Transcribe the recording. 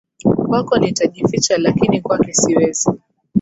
Kwako nitajificha lakini kwake siwezi.